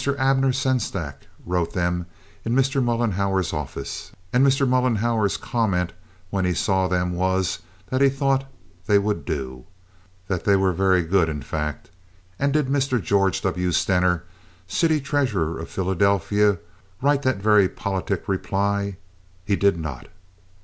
Abner Sengstack wrote them in Mr. Mollenhauer's office, and Mr. Mollenhauer's comment when he saw them was that he thought they would do—that they were very good, in fact. And did Mr. George W. Stener, city treasurer of Philadelphia, write that very politic reply? He did not.